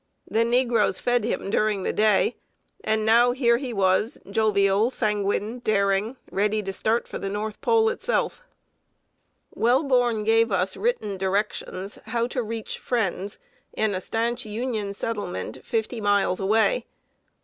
The negroes fed him during the day; and now here he was, jovial, sanguine, daring, ready to start for the North Pole itself. [Sidenote: COMMENCING THE LONG JOURNEY.] Welborn gave us written directions how to reach friends in a stanch Union settlement fifty miles away.